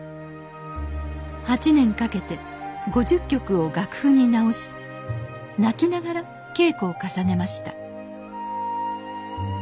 ８年かけて５０曲を楽譜に直し泣きながら稽古を重ねました